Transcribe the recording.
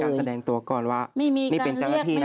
แสดงตัวก่อนว่านี่เป็นเจ้าหน้าที่นะ